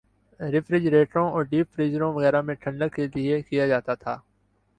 ریفریجریٹروں اور ڈیپ فریزروں وغیرہ میں ٹھنڈک کیلئے کیا جاتا تھا